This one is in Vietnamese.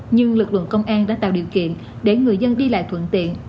nhưng lực lượng công an đã tạo điều kiện để người dân đi lại thuận tiện